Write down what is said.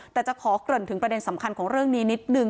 แต่จะขอเกริ่นถึงประเด็นสำคัญของเรื่องนี้นิดนึง